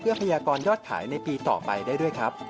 พยากรยอดขายในปีต่อไปได้ด้วยครับ